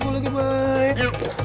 gue lagi baik